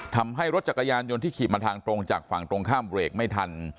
ทำให้รถจักรยานยนต์ที่ขี่มาทางตรงจากฝั่งตรงข้ามเบรกไม่ทัน